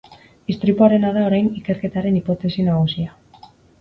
Istripuarena da orain ikerketaren hipotesi nagusia.